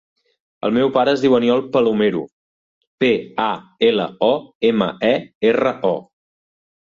El meu pare es diu Aniol Palomero: pe, a, ela, o, ema, e, erra, o.